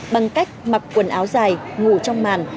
bằng cách mặc quần áo dài ngủ trong màn